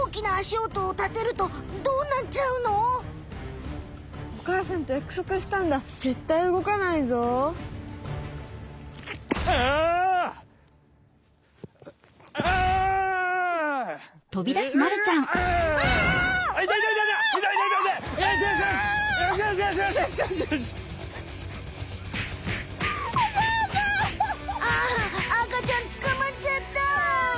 ああ赤ちゃん捕まっちゃった！